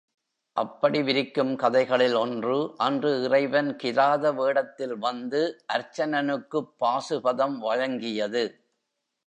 அப்படி விரிக்கும் கதைகளில் ஒன்று அன்று இறைவன் கிராத வேடத்தில் வந்து அர்ச்சனனுக்குப் பாசுபதம் வழங்கியது.